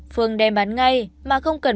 phương đem bán ngay mà không cần